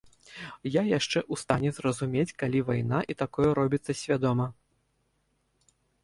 Я яшчэ ў стане зразумець, калі вайна і такое робіцца свядома.